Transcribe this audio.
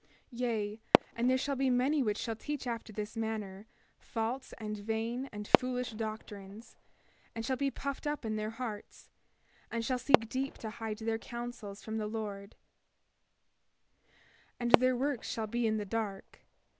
28:9 Yea, and there shall be many which shall teach after this manner, false and vain and foolish doctrines, and shall be puffed up in their hearts, and shall seek deep to hide their counsels from the Lord; and their works shall be in the dark.